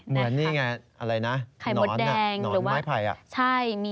เหมือนนี่ไงเลยนะนอนไม้ไภ